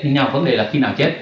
nhưng nhau có vấn đề là khi nào chết